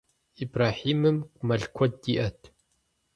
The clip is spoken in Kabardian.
Ибрэхьимым мэл куэд иӏэт.